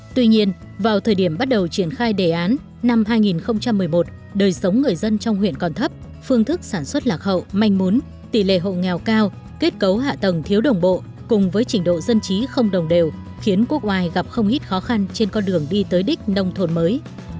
tuy nhiên vào thời điểm bắt đầu triển khai đề án năm hai nghìn một mươi một đời sống người dân trong huyện còn thấp phương thức sản xuất lạc hậu manh mún tỷ lệ hộ nghèo cao kết cấu hạ tầng thiếu đồng bộ cùng với trình độ dân trí không đồng đều khiến quốc ngoài gặp không ít khó khăn trên con đường đi tới đích nông thôn mới